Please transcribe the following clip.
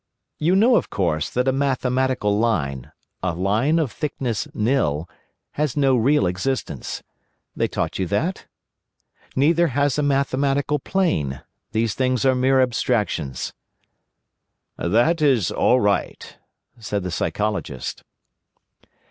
You know of course that a mathematical line, a line of thickness nil, has no real existence. They taught you that? Neither has a mathematical plane. These things are mere abstractions." "That is all right," said the Psychologist.